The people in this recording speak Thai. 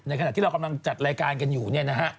ขณะที่เรากำลังจัดรายการกันอยู่เนี่ยนะฮะ